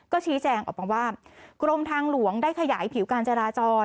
ก็ชี้แจงออกมาว่ากรมทางหลวงได้ขยายผิวการจราจร